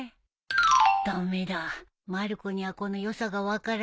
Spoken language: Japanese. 駄目だまる子にはこの良さが分からないよ。